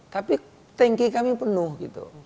tapi tanki kami penuh gitu